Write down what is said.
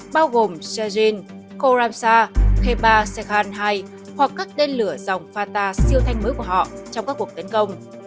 bao gồm sajin khoramsa khepa sekhan hai hoặc các tên lửa dòng fata siêu thanh mới của họ trong các cuộc tấn công